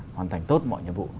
hoàn thành tốt mọi nhiệm vụ